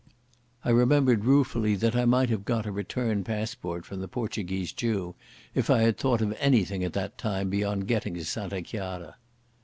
I remembered ruefully that I might have got a return passport from the Portuguese Jew, if I had thought of anything at the time beyond getting to Santa Chiara.